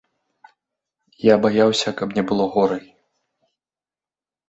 Я баяўся, каб не было горай.